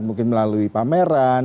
mungkin melalui pameran